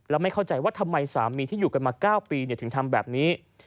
แล้วไม่เข้าใจว่าทำไมสามีที่อยู่กันมา๙ปีถึงทำแบบนี้